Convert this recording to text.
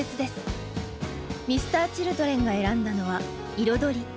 Ｍｒ．Ｃｈｉｌｄｒｅｎが選んだのは「彩り」。